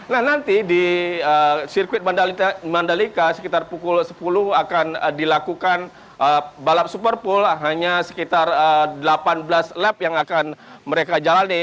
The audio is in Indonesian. nah nanti di sirkuit mandalika sekitar pukul sepuluh akan dilakukan balap super pool hanya sekitar delapan belas lab yang akan mereka jalani